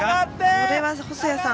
これは細谷さん